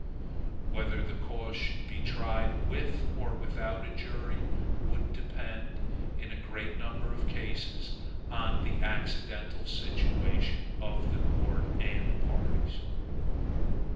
Whether the cause should be tried with or without a jury, would depend, in a great number of cases, on the accidental situation of the court and parties.